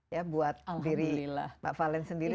ya buat diri mbak valen sendiri